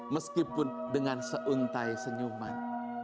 meskipun dengan seuntai senyuman